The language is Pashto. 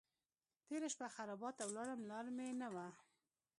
تېره شپه خرابات ته ولاړم لار مې نه وه.